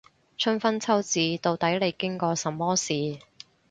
春分秋至，到底你經過什麼事